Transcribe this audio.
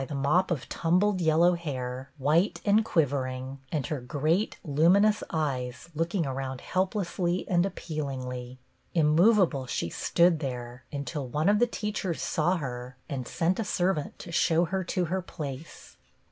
UNEXPECTED WELCOME 53 mop of tumbled yellow hair, white and quiv ering, and her great, luminous eyes looking around helplessly and appealingly. Immov able she stood there, until one of the teach ers saw her, and sent a servant to show her to her place.